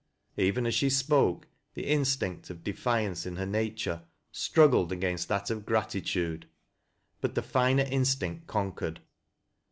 Even as she spoke, the instinct of defiance in her nature struggled against that of gratitude ; but the finer instinci conquered.